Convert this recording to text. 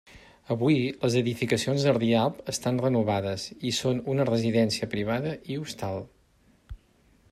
Avui, les edificacions de Rialb estan renovades i són una residència privada i hostal.